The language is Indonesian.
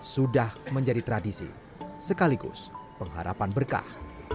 sudah menjadi tradisi sekaligus pengharapan berkah